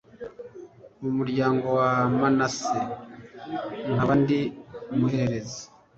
mu muryango wa manase nkaba ndi umuhererezi